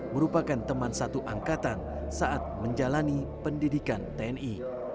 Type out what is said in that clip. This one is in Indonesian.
merupakan teman satu angkatan saat menjalani pendidikan tni